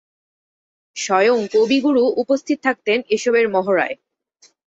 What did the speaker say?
স্বয়ং কবিগুরু উপস্থিত থাকতেন এসবের মহড়ায়।